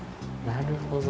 なるほど。